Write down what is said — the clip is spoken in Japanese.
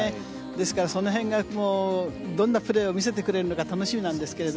ですから、その辺がどんなプレーを見せてくれるか楽しみなんですが。